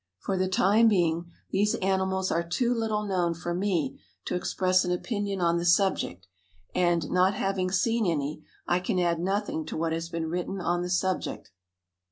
For the time being these animals are too little known for me to express an opinion on the subject, and, not having seen any, I can add nothing to what has been written on the subject.